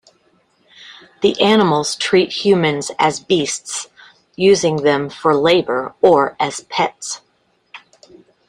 The animals treat humans as beasts, using them for labor or as pets.